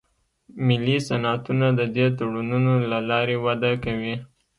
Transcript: ملي صنعتونه د دې تړونونو له لارې وده کوي